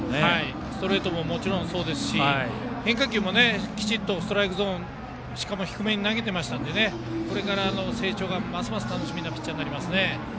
ストレートももちろんそうですし変化球もきちっとストライクゾーンしかも低めに投げていましたのでこれからの成長がますます楽しみなピッチャーになりますね。